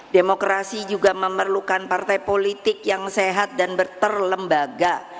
demokrasi juga memerlukan partai politik yang sehat dan berterlembaga